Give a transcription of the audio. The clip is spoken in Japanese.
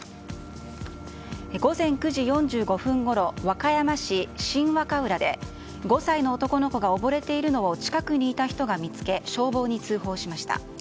午前９時４５分ごろ和歌山市新和歌浦で５歳の男の子が溺れているのを近くの人が見つけ消防に通報しました。